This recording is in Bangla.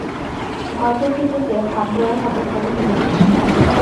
গল্পের ভেতর দিয়ে ভাব দেওয়াই হবে প্রধান বৈশিষ্ট্য।